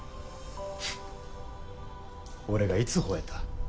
フッ俺がいつほえた？